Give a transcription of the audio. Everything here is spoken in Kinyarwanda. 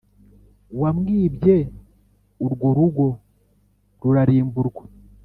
wamwibye urwo rugo rurarimburwa